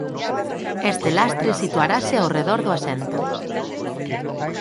Este lastre situarase ao redor do asento.